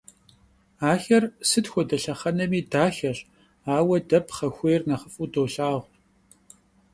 Ахэр сыт хуэдэ лъэхъэнэми дахэщ, ауэ дэ пхъэхуейр нэхъыфӀу долъагъу.